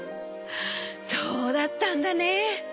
そうだったんだね。